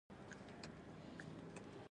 هغوی د سټیوراټ پاچاهانو سره هېڅ توپیر نه درلود.